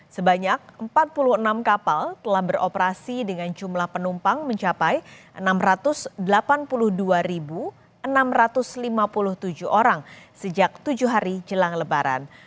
sebanyak empat puluh enam kapal telah beroperasi dengan jumlah penumpang mencapai enam ratus delapan puluh dua enam ratus lima puluh tujuh orang sejak tujuh hari jelang lebaran